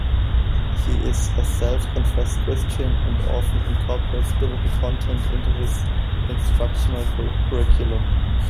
He is a self-confessed Christian, and often incorporates biblical content into his instructional curriculum.